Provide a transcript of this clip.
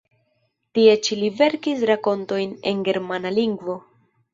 Tie ĉi li verkis rakontojn en germana lingvo.